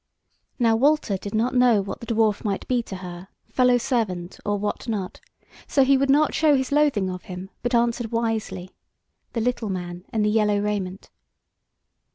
Now Walter did not know what the dwarf might be to her, fellow servant or what not, so he would not show his loathing of him; but answered wisely: "The little man in the yellow raiment."